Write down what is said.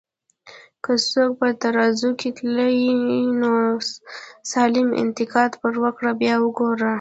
که څوک په ترازو کی تلې، نو سالم انتقاد پر وکړه بیا وګوره